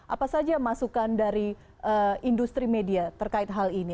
apa saja masukan dari industri media terkait hal ini